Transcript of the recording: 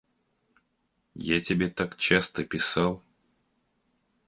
Я тебе так часто писал.